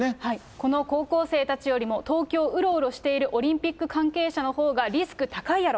この高校生たちよりも東京をうろうろしているオリンピック関係者のほうがリスク高いやろ！